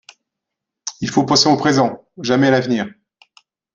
Il faut penser au présent, jamais à l'avenir.